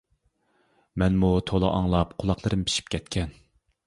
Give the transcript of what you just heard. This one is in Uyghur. مەنمۇ تولا ئاڭلاپ قۇلاقلىرىم پىشىپ كەتكەن.